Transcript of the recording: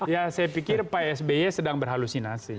ya saya pikir pak sby sedang berhalusinasi